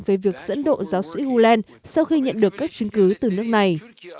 về việc dẫn độ giáo sĩ huland sau khi nhận được các chứng cứ từ nước này